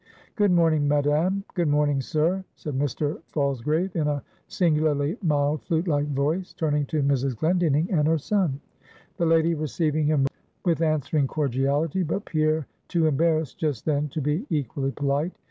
"Good morning, madam; good morning, sir;" said Mr. Falsgrave, in a singularly mild, flute like voice, turning to Mrs. Glendinning and her son; the lady receiving him with answering cordiality, but Pierre too embarrassed just then to be equally polite.